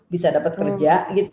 bisa dapat kerja